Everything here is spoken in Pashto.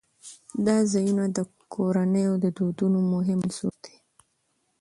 دا ځایونه د کورنیو د دودونو مهم عنصر دی.